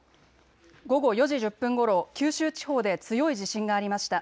午後４時１０分ごろ、九州地方で強い地震がありました。